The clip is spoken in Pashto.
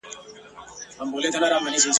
ته کامیاب یې تا تېر کړی تر هرڅه سخت امتحان دی `